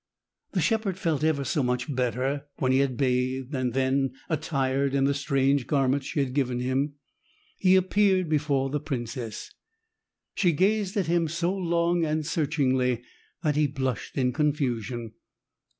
The shepherd felt ever so much better when he had bathed, and then attired in the strange garments she had given him, he appeared before the princess. She gazed at him so long and searchingly that he blushed in confusion.